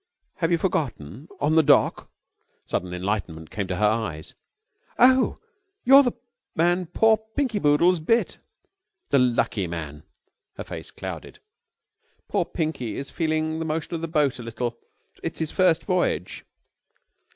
"Have you forgotten? On the dock...." Sudden enlightenment came into her eyes. "Oh, you are the man poor Pinky Boodles bit!" "The lucky man!" Her face clouded. "Poor Pinky is feeling the motion of the boat a little. It's his first voyage."